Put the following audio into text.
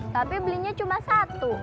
tapi belinya cuma satu